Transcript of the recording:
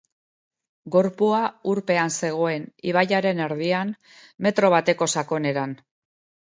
Gorpua urpean zegoen, ibaiaren erdian, metro bateko sakoneran.